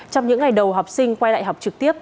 trong những ngày đầu học sinh quay lại học trực tiếp